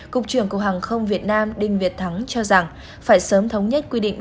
cục trưởng cục hàng không việt nam đinh việt thắng cho rằng phải sớm thống nhất quy định